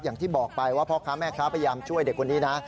อย่างที่บอกไปว่าพ่อค้าแม่ค้าพยายามช่วยเด็กคนนี้นะ